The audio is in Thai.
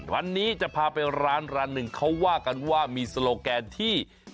วันนี้จะพาไปร้านร้านหนึ่งเขาว่ากันว่ามีโซโลแกนที่